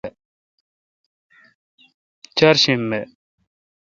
چارشنبہ